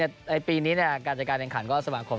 ในปีนี้การจัดการแข่งขันก็สมาคม